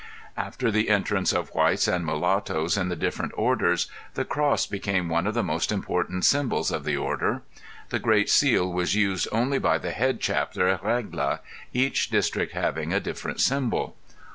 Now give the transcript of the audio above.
After the entrance of whites and mulatoes in the different orders the cross became one of the most important symbols of the order. The great seal was used only by the head chapter at Regla, each district having a different symbol.